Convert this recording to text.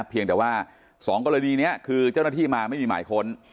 เพียงแต่ว่า๒กรณีนี้คือเจ้าหน้าที่มาไม่มีหมายค้น